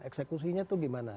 eksekusinya itu gimana